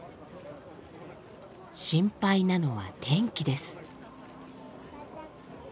心配なのは天気です。